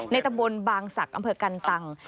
ตำบลบางศักดิ์อำเภอกันตัง